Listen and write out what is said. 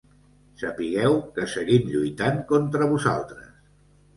Sapigueu que seguim lluitant contra vosaltres.